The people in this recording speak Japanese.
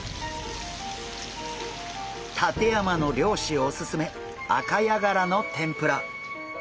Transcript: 館山の漁師おすすめアカヤガラの天ぷら！